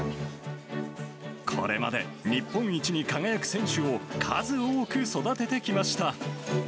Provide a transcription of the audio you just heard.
これまで日本一に輝く選手を数多く育ててきました。